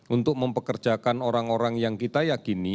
untuk mempekerjakan orang orang yang kita yakini